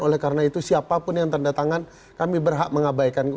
oleh karena itu siapapun yang tanda tangan kami berhak mengabaikanku